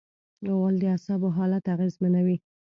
غول د اعصابو حالت اغېزمنوي.